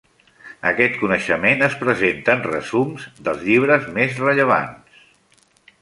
Aquest coneixement es presenta en resums dels llibres més rellevants.